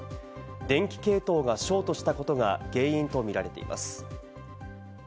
電気系統がショートしたことが原因とみられています。